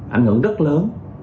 ảnh hưởng rất lớn